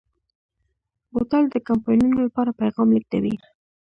بوتل د کمپاینونو لپاره پیغام لېږدوي.